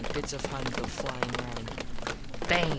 Bits of Huns go flyin round. Bang!